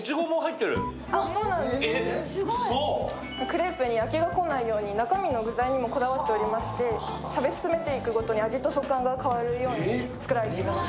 クレープに飽きが来ないように中身の具材にもこだわっておりまして食べ進めていくごとに味と食感が変わるように作られています。